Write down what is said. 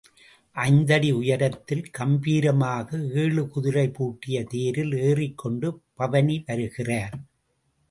ஐந்து அடி உயரத்தில் கம்பீரமாக ஏழு குதிரை பூட்டிய தேரில் ஏறிக் கொண்டு பவனி வருகிறார்.